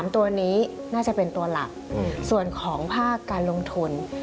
ตัวนี้น่าจะเป็นตัวหลักส่วนของภาคการลงทุน